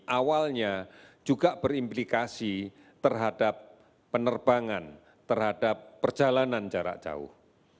awalnya juga berimplikasi terhadap penerbangan terhadap perjalanan jarak jauh